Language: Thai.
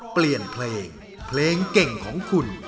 เปลี่ยนเพลงเพลงเก่งของคุณ